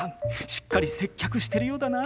しっかり接客してるようだな。